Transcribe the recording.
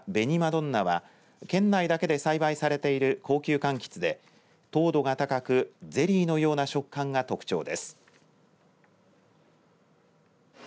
どんなは県内だけで栽培されている高級かんきつで糖度が高くゼリーのような食感が特徴です。